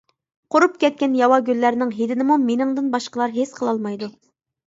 قۇرۇپ كەتكەن ياۋا گۈللەرنىڭ ھىدىنىمۇ مېنىڭدىن باشقىلار ھېس قىلالمايدۇ.